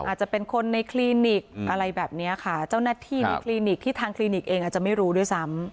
อาจจะเป็นคนในคลินิกอะไรแบบนี้ค่ะเจ้าหน้าที่ในคลินิกที่ทางคลินิกเองอาจจะไม่รู้ด้วยซ้ำ